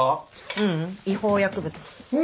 ううん違法薬物。